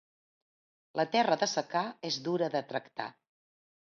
La terra de secà és dura de tractar.